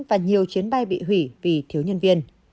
và nhiều chuyến bay bị hủy vì thiếu nhân viên